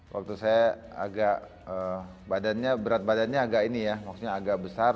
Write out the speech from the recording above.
waktu saya agak badannya berat badannya agak ini ya maksudnya agak besar